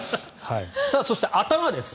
そして、頭です。